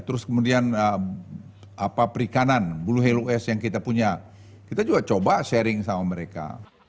terus kemudian perikanan bulu helo es yang kita punya kita juga coba sharing sama mereka